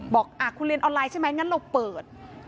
บอกคุณเรียนออนไลน์ใช่ไหมงั้นเราเปิด